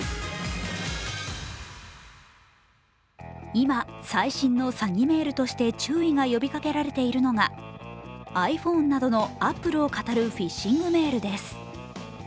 今、最新の詐欺メールとして注意が呼びかけられているのがｉＰｈｏｎｅなどのＡｐｐｌｅをかたるフィッシングメールです。